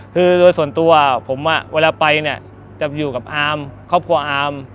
คือโดยส่วนตัวผมเวลาไปเนี่ยจะอยู่กับอาร์มครอบครัวอาร์ม